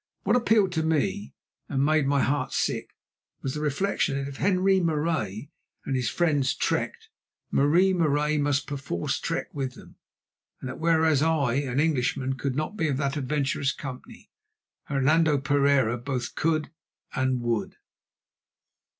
What appealed to me and made my heart sick was the reflection that if Henri Marais and his friends trekked, Marie Marais must perforce trek with them; and that whereas I, an Englishman, could not be of that adventurous company, Hernando Pereira both could and would.